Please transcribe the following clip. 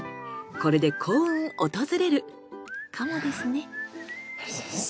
これで幸運訪れるかもですね。